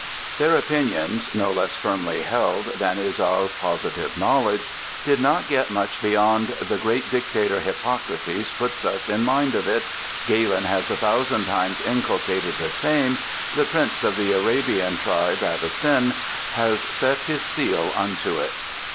Their opinions, no less firmly held than is our positive knowledge, did not get much beyond :' The great dictator Mippocrates puts us in mind of it, Galen has a thousand times inculcated the same, the prince of the Arabian tribe, Avicen, has set his seal unto it.'